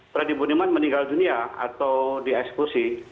freddy budiman meninggal dunia atau dieksekusi